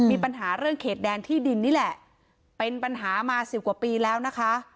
มีปัญหาเรื่องเขตแดนที่ดินนี่แหละเป็นปัญหามาสิบกว่าปีแล้วนะคะ